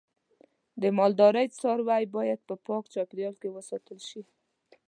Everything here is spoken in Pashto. د مالدارۍ څاروی باید په پاک چاپیریال کې وساتل شي.